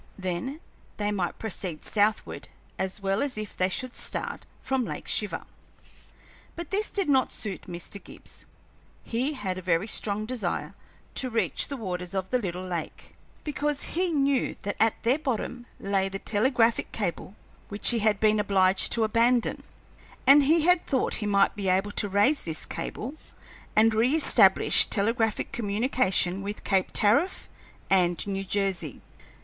Then they might proceed southward as well as if they should start from Lake Shiver. But this did not suit Mr. Gibbs. He had a very strong desire to reach the waters of the little lake, because he knew that at their bottom lay the telegraphic cable which he had been obliged to abandon, and he had thought he might be able to raise this cable and re establish telegraphic communication with Cape Tariff and New Jersey.